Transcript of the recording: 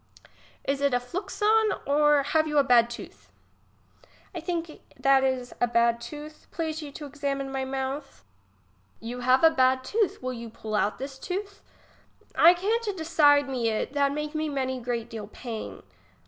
Is it a fluxion, or have you a bad tooth ? I think that is a bad tooth ; please you to ex amine my mouth ? 46 English as she is spoke. You have a bad tooth ; will you pull out this tooth ? I can't to decide me it, that make me many great deal pain.